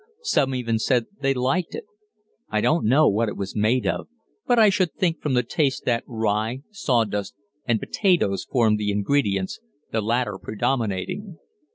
Some even said they liked it. I don't know what it was made of, but I should think from the taste that rye, sawdust, and potatoes formed the ingredients, the latter predominating.